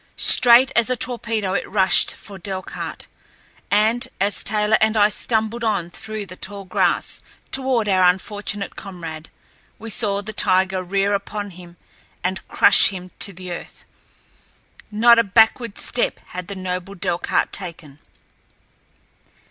Straight as a torpedo it rushed for Delcarte, and, as Taylor and I stumbled on through the tall grass toward our unfortunate comrade, we saw the tiger rear upon him and crush him to the earth. Not a backward step had the noble Delcarte taken.